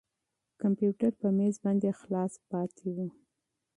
کمپیوټر په مېز باندې خلاص پاتې و.